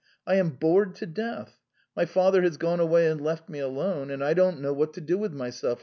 I am bored to death ! My father has gone and left me alone, and I do not know what to do with myself."